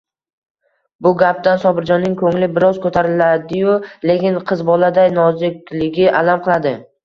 Bu gapdan Sobirjonning koʻngli biroz koʻtariladi-yu, lekin “qizboladay nozik”ligi alam qiladi.